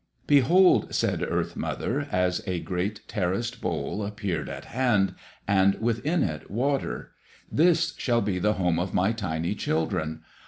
"Behold!" said Earth mother, as a great terraced bowl appeared at hand, and within it water, "This shall be the home of my tiny children.